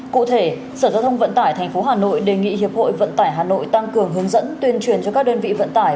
cụ thể sở giao thông vận tải tp hà nội đề nghị hiệp hội vận tải hà nội tăng cường hướng dẫn tuyên truyền cho các đơn vị vận tải